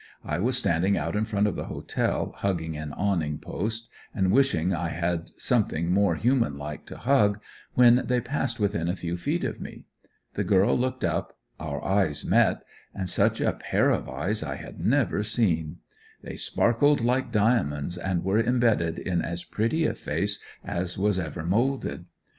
I was standing out in front of the Hotel hugging an awning post, and wishing that I had something more human like to hug, when they passed within a few feet of me. The girl looked up, our eyes met, and such a pair of eyes I had never seen. They sparkled like diamonds, and were imbedded in as pretty a face as was ever moulded.